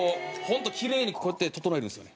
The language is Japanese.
本当キレイにこうやって整えるんですよ